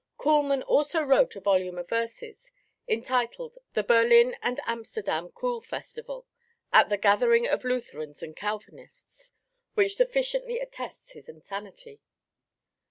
Kuhlmann also wrote a volume of verses, entitled The Berlin and Amsterdam "Kuhl festival" at the Gathering of Lutherans and Calvinists, which sufficiently attests his insanity.